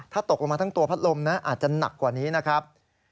ถ้าตกลงมาทั้งตัวพัดลมนะอาจจะหนักกว่านี้นะครับ